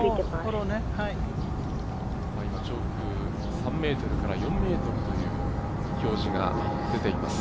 上空３メートルから４メートルという表示が出ています